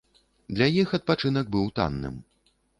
Для іх адпачынак быў танным.